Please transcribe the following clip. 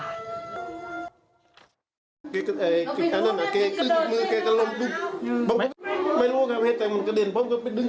ร่มข้างหนึ่งร่มเบียงข้างหนึ่ง